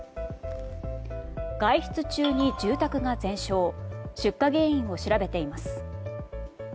外出中に住宅が全焼出火原因を調べています。